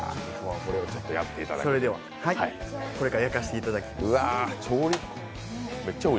それではこれから焼かせていただきます。